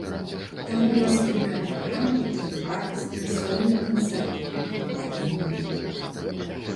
Там у нас вялікая праграма і паўнавартасныя сольныя канцэрты, двухгадзінныя.